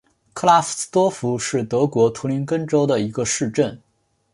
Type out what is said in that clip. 克拉夫茨多夫是德国图林根州的一个市镇。